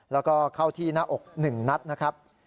แล้วก็เข้าที่หน้าอก๑นัดนะครับ